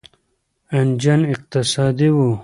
انجن اقتصادي و.